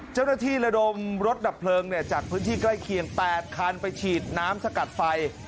เจ้าหน้าที่ระดมรถดับเพลิงเนี่ยจากพื้นที่ใกล้เคียงแตดคานไปฉีดน้ำสกัดไฟ